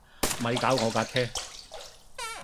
咪搞我架車